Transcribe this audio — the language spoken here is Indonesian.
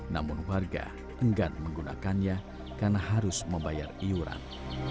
namun warga enggan menggunakannya karena harus membayar iuran